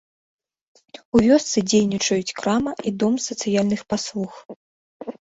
У вёсцы дзейнічаюць крама і дом сацыяльных паслуг.